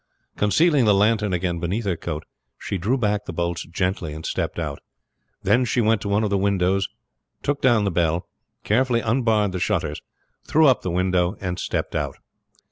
Concealing the lantern again beneath her coat, she drew back the bolts gently and stepped out. Then she went to one of the windows, took down the bell, carefully unbarred the shutters, threw up the window and stepped out.